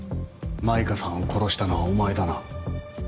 舞歌さんを殺したのはお前だな？